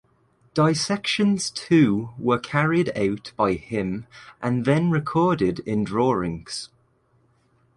Dissections too were carried out by him and then recorded in drawings.